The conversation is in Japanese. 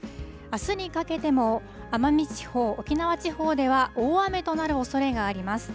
あすにかけても奄美地方、沖縄地方では大雨となるおそれがあります。